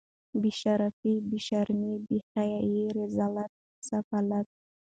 بې شرفي بې شرمي بې حیايي رذالت سفالت